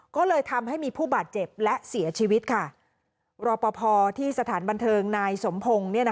ก็เลยทำให้มีผู้บาดเจ็บและเสียชีวิตค่ะรอปภที่สถานบันเทิงนายสมพงศ์